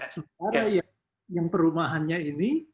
seperti yang perumahannya ini